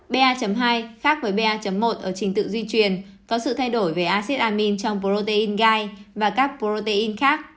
ba hai khác với ba một ở trình tự di truyền có sự thay đổi về acid amin trong protein gai và các protein khác